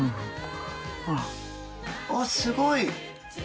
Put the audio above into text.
あっすごい！